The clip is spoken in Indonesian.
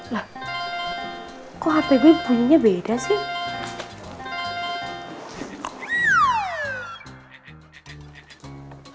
loh kok hp gue bunyinya beda sih